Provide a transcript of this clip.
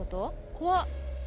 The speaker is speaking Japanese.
怖っ